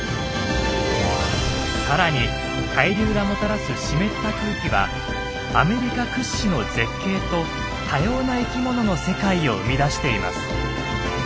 さらに海流がもたらす湿った空気はアメリカ屈指の絶景と多様な生きものの世界を生み出しています。